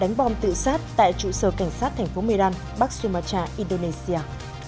đánh bom tự sát tại trụ sở cảnh sát thành phố merran bắc sumatra indonesia